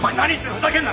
ふざけんな。